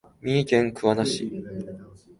三重県桑名市